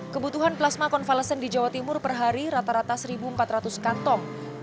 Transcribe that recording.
kebutuhan plasma konvalesen di jawa timur per hari rata rata satu empat ratus kantong